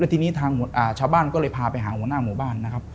ทีนี้ทางชาวบ้านก็เลยพาไปหาหัวหน้าหมู่บ้านนะครับ